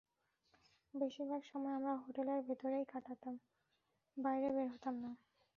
বেশির ভাগ সময় আমরা হোটেলে ভেতরেই কাটাতাম, বাইরে বের হতাম না।